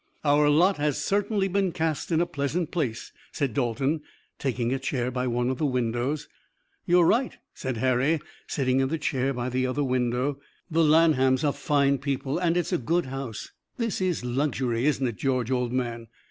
"Our lot has certainly been cast in a pleasant place," said Dalton, taking a chair by one of the windows. "You're right," said Harry, sitting in the chair by the other window. "The Lanhams are fine people, and it's a good house. This is luxury, isn't it, George, old man?"